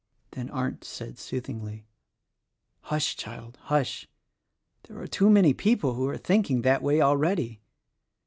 Then Arndt said soothingly, "Hush, child, hush! there are too many people who are thinking that way already."